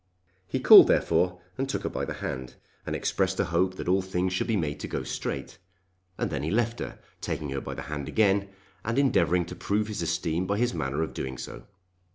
He called therefore and took her by the hand, and expressed a hope that all things should be made to go straight, and then he left her, taking her by the hand again, and endeavouring to prove his esteem by his manner of doing so.